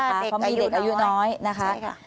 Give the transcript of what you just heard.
ใช่ค่ะเขามีเด็กอายุน้อยนะคะ